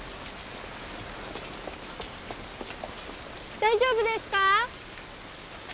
大丈夫ですか？